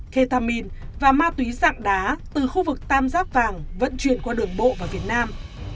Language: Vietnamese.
ketamin và ma túy dạng đá từ khu vực tam giác vàng vận chuyển qua đường bộ vào việt nam